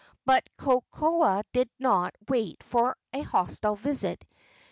But Kokoa did not wait for a hostile visit.